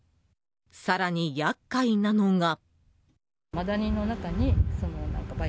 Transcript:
更にやっかいなのが。